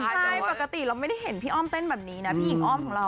ใช่ปกติเราไม่ได้เห็นพี่อ้อมเต้นแบบนี้นะพี่หญิงอ้อมของเรา